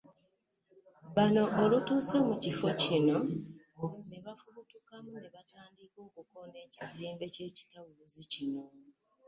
Bano olutuuse mu kifo kino ne bafubutukamu ne batandika okukoona ekizimbe ky'ekitawuluzi kino.